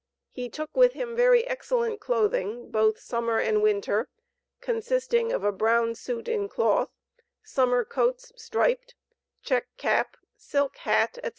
He took with him very excellent clothing, both summer and winter, consisting of a brown suit in cloth, summer coats striped, check cap, silk hat, &c.